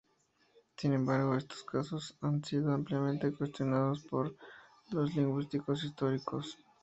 Sin embargo, estos casos han sido ampliamente cuestionados por los lingüistas históricos.